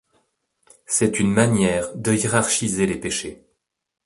C'est une manière de hiérarchiser les péchés.